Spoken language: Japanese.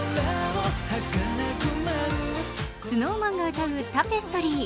ＳｎｏｗＭａｎが歌う「タペストリー」。